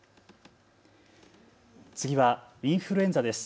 次はインフルエンザです。